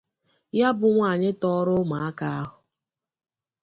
ya bụ nwaanyị tọọrọ ụmụaka ahụ